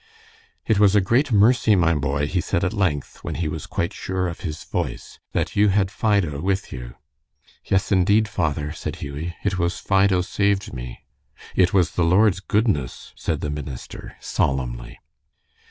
"It was a great mercy, my boy," he said at length, when he was quite sure of his voice, "that you had Fido with you." "Yes, indeed, father," said Hughie. "It was Fido saved me." "It was the Lord's goodness," said the minister, solemnly.